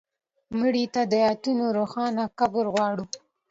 مړه ته د آیتونو روښانه قبر غواړو